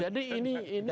jadi ini sangat